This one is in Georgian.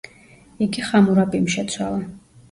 იგი ხამურაბიმ შეცვალა.